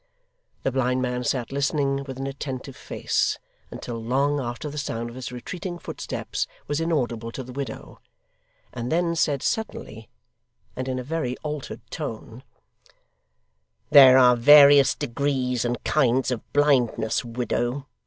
The blind man sat listening with an attentive face, until long after the sound of his retreating footsteps was inaudible to the widow, and then said, suddenly, and in a very altered tone: 'There are various degrees and kinds of blindness, widow.